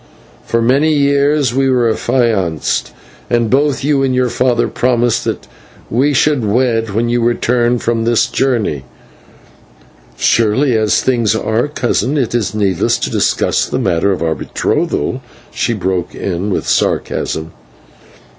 For many years we were affianced, and both you and your father promised that we should be wed when you returned from this journey " "Surely, as things are, cousin, it is needless to discuss the matter of our betrothal," she broke in with sarcasm.